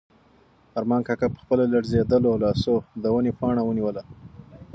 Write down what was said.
ارمان کاکا په خپلو رېږدېدلو لاسو د ونې پاڼه ونیوله.